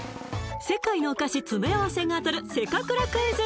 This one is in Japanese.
世界のお菓子詰め合わせが当たるせかくらクイズ